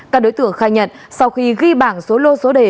các đối tượng khai nhận sau khi ghi bảng số lô số đề